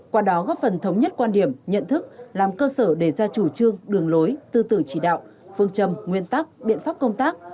qua đó góp phần thống nhất quan điểm nhận thức làm cơ sở để ra chủ trương đường lối tư tưởng chỉ đạo phương châm nguyên tắc biện pháp công tác